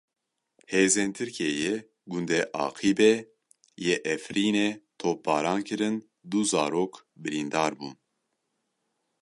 Hêzên Tirkiyeyê gundê Aqîbê yê Efrînê topbaran kirin, du zarok birîndar bûn.